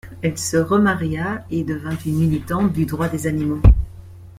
Elle se remaria, et devint une militante du droit des animaux.